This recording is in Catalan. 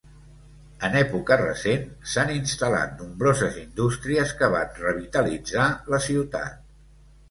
En època recent s'han instal·lat nombroses indústries que van revitalitzar la ciutat.